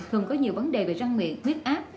thường có nhiều vấn đề về răng miệng huyết áp